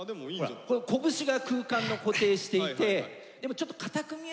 拳が空間の固定していてでもちょっとかたく見えるな。